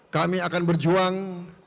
kami akan berjuang